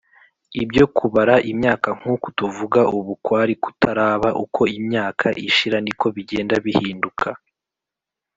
Ibyo kubara imyaka nk’ uku tuvuga ubu kwari kutaraba uko imyaka ishira niko bigenda bihinduka